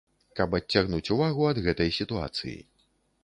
Каб адцягнуць увагу ад гэтай сітуацыі.